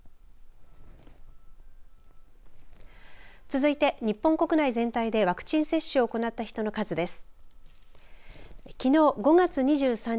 続いて日本国内全体でワクチン接種を行った人の数です。